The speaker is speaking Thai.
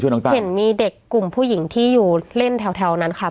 น้องตั๊เห็นมีเด็กกลุ่มผู้หญิงที่อยู่เล่นแถวนั้นค่ะ